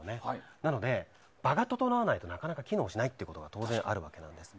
なので、場が整わないとなかなか機能しないというのが当然あるんです。